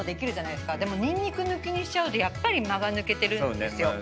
でもニンニク抜きにしちゃうとやっぱり間が抜けてるんですよ。